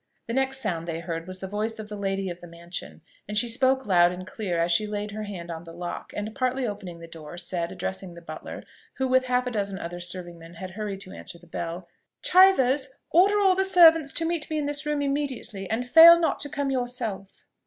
The next sound they heard was the voice of the lady of the mansion, and she spoke loud and clear, as she laid her hand on the lock, and partly opening the door, said addressing the butler, who with half a dozen other servingmen had hurried to answer the bell, "Chivers! order all the servants to meet me in this room immediately; and fail not to come yourself."